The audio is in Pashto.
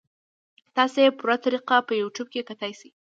تاسو ئې پوره طريقه پۀ يو ټيوب کتے شئ -